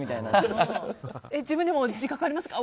自分でも自覚ありますか？